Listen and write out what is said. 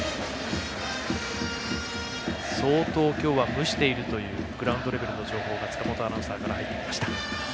相当、今日は蒸しているというグラウンドレベルの情報が塚本アナウンサーから入ってきました。